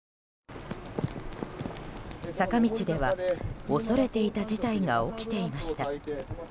坂道では、恐れていた事態が起きていました。